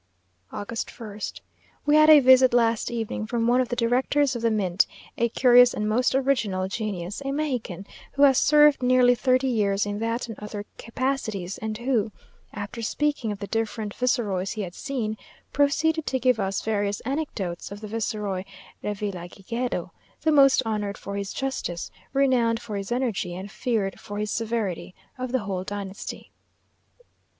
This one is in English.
August 1st. We had a visit last evening from one of the directors of the mint, a curious and most original genius, a Mexican, who has served nearly thirty years in that and other capacities, and who, after speaking of the different viceroys he had seen, proceeded to give us various anecdotes of the Viceroy Revillagigedo, the most honoured for his justice, renowned for his energy, and feared for his severity, of the whole dynasty.